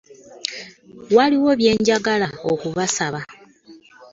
Waliwo bye njagala okubasaba.